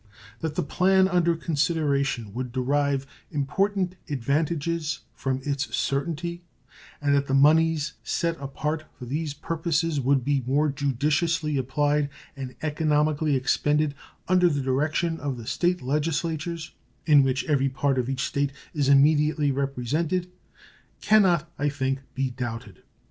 That the plan under consideration would derive important advantages from its certainty, and that the moneys set apart for these purposes would be more judiciously applied and economically expended under the direction of the State legislatures, in which every part of each State is immediately represented, can not, I think, be doubted.